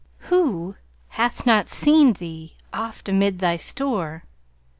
Who hath not seen thee oft amid thy store?